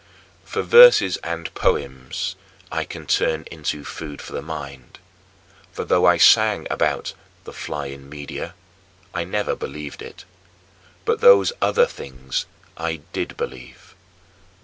For verses and poems I can turn into food for the mind, for though I sang about "the flying Medea" I never believed it, but those other things [the fantasies of the Manicheans] I did believe.